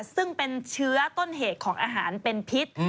ซึ่งเป็นเชื้อต้นเหตุของอาหารเป็นพิษ